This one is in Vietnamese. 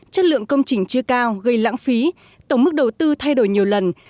chất lượng công trình chưa cao gây lãng phí tổng mức đầu tư thay đổi nhiều lần